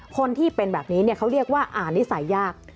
คนที่เป็นแบบนี้เขาเรียกว่าอ่านนิสัยยาก